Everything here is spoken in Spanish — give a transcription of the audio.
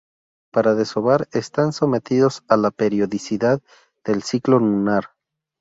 Para desovar, están sometidos a la periodicidad del ciclo lunar.